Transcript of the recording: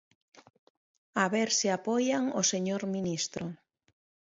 A ver se apoian o señor ministro.